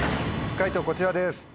解答こちらです。